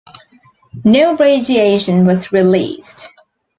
No radiation was released.